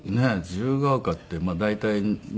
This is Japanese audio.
自由が丘って大体まあね